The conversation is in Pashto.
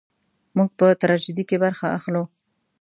موږ په تراژیدۍ کې برخه اخلو.